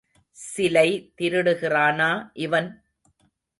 சிலை திருடுகிறானா இவன்?